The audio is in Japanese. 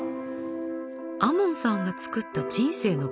亞門さんが作った人生のグラフ？